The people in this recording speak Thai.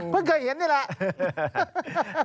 เพิ่งเคยเห็นนี่แหละ